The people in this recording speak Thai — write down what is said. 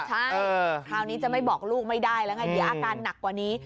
ใช่คราวนี้จะไม่บอกลูกไม่ได้แล้วไงเดี๋ยวอาการหนักกว่านี้